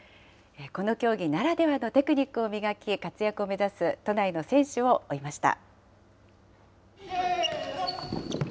この競技ならではのテクニックを磨き、活躍を目指す都内の選手を追いました。